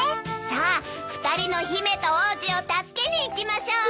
さあ２人の姫と王子を助けに行きましょう。